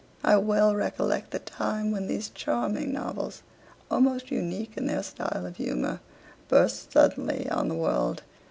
I well recollect the time when these charming novels, almost unique in their style of humour, burst suddenly on the world.